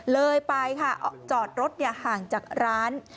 เลยไปค่ะจอดรถห่างจากร้าน